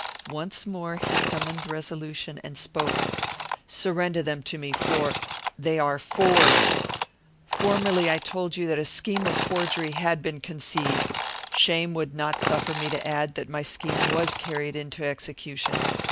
Once more he summoned resolution, and spoke: "Surrender them to me for they are forged! "Formerly I told you, that a scheme of forgery had been conceived. Shame would not suffer me to add, that my scheme was carried into execution.